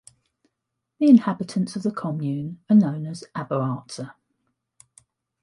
The inhabitants of the commune are known as "Arberaztar".